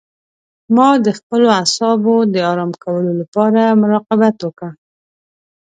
ما د خپلو اعصابو د آرام کولو لپاره مراقبت وکړ.